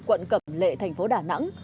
quận cẩm lệ thành phố đà nẵng